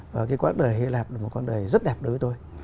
và cái quãng đời hy lạp là một con đời rất đẹp đối với tôi